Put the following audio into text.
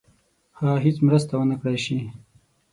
هغه هیڅ مرسته ونه کړای سي.